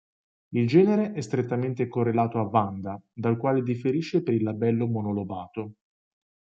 Il genere è strettamente correlato a "Vanda", dal quale differisce per il labello mono-lobato.